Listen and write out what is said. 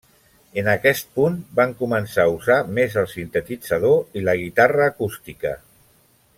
En aquest punt, van començar a usar més el sintetitzador i la guitarra acústica.